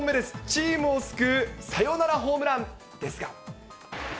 チームを救うサヨナラホームランですが。